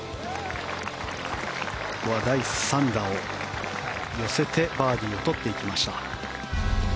ここは第３打を寄せてバーディーを取っていきました。